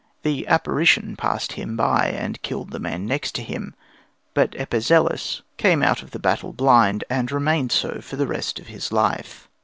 The apparition passed him by and killed the man next him, but Epizelus came out of the battle blind, and remained so for the rest of his life.